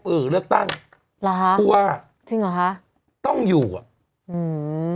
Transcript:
เออเลือกตั้งเหรอฮะผู้ว่าจริงเหรอคะต้องอยู่อ่ะอืม